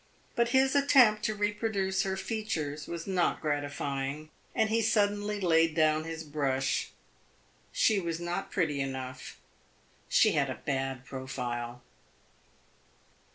But his attempt to reproduce her features was not gratifying, and he suddenly laid down his brush. She was not pretty enough she had a bad profile.